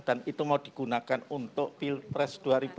dan itu mau digunakan untuk pilpres dua ribu dua puluh empat